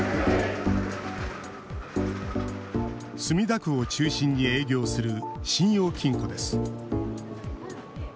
墨田区を中心に営業する信用金庫です。